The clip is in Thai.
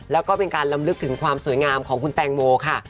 แล้วก็เป็นการลำลึกถึงความสวยงามของคุณแตงโมค่ะ